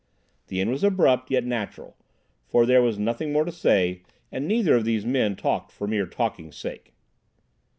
The end was abrupt, yet natural, for there was nothing more to say, and neither of these men talked for mere talking's sake.